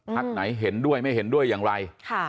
ไหนเห็นด้วยไม่เห็นด้วยอย่างไร